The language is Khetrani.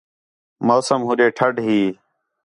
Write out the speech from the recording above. موسم ہوݙے ٹھݙ ہی